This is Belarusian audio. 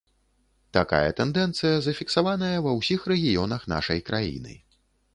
Такая тэндэнцыя зафіксаваная ва ўсіх рэгіёнах нашай краіны.